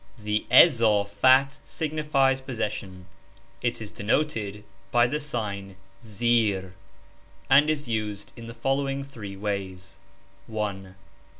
The izafat signifies possession ; it is denoted by the sign (^) zir and is used in the following three ways : 1 .